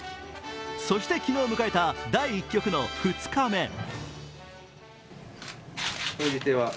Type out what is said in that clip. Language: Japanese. そして昨日迎えた第１局の２日目。